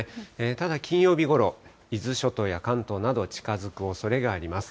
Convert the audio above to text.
ただ金曜日ごろ、伊豆諸島や関東など、近づくおそれがあります。